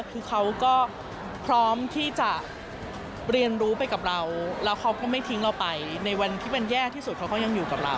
คือเขาก็พร้อมที่จะเรียนรู้ไปกับเราแล้วเขาก็ไม่ทิ้งเราไปในวันที่มันแย่ที่สุดเขาก็ยังอยู่กับเรา